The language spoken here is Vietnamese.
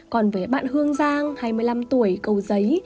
còn với bạn hương giang hai mươi năm tuổi cầu giấy